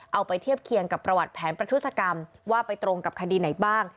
เอาไปเทียบเคียงกับประวัติแผนประทุศกรรมว่าไปตรงกับคดีไหนบ้าง